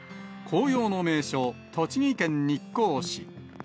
紅葉の名所、栃木県日光市。